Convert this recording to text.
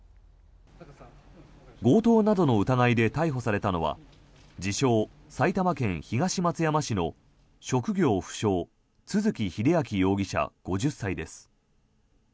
強盗などの疑いで逮捕されたのは自称・埼玉県東松山市の職業不詳都築英明容疑者、５０歳です。